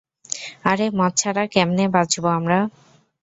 আরে, মদ ছাড়া ক্যামনে বাঁচব আমরা?